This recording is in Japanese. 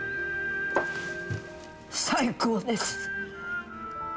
最高です。